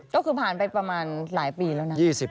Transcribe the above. ก็คือผ่านไปประมาณหลายปีแล้วนะ